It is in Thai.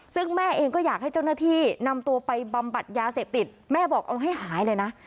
ซึ่งแม่เองก็อยากให้เจ้าหน้าที่นำตัวไปบำบัดยาเสพติดแม่บอกเอาให้หายเลยนะ